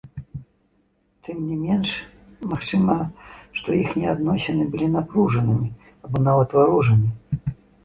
Тым не менш, магчыма, што іхнія адносіны былі напружанымі або нават варожымі.